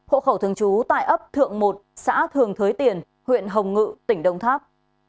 hộ khẩu thương chú tại ấp một xã thường thới tiền huyện hồng ngự tỉnh đông tháp